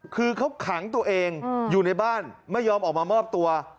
คือเขาขังตัวเองอยู่ในบ้านไม่ยอมออกมามอบตัว